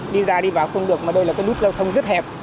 đi ra đi vào không được mà đây là cái nút giao thông rất hẹp